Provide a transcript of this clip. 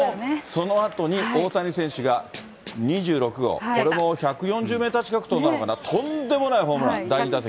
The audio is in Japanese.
そのあとに、大谷選手が２６号、これも１４０メーター近く飛んだのかな、とんでもないホームラン、第２打席。